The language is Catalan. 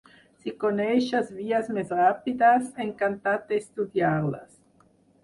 Si coneixes vies més ràpides, encantat d'estudiar-les.